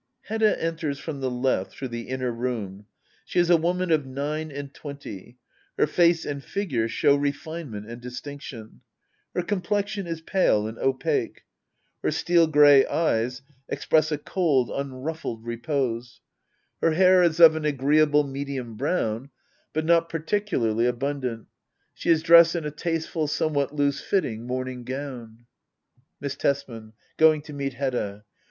Hedda eiders from the left through the inner room. She is a woman of nine and twenty. Her face and figure show refinement and distiiiction. Her complexion is pale and opaque. Her steel grey eyes express a cold, unniffled repose. Her hatr Digitized by Google ACT I.] HEDDA OABLER. 19 is of an agreeable medium bronm, but not par ticularfy ammdant. She is dressed in a tasteful somewhat loose Jitting morning gown. Miss Tesman. [Going to meet Hedda.